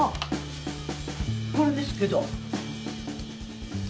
これですけど。